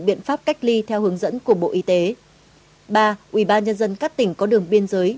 biện pháp cách ly theo hướng dẫn của bộ y tế ba ủy ban nhân dân các tỉnh có đường biên giới